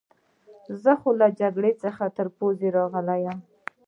زه خو له جګړې څخه تر پوزې راغلی یم.